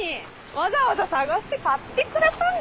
わざわざ探して買ってくれたんでしょ？